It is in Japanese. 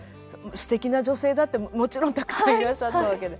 すてきな女性だってもちろんたくさんいらっしゃったわけで。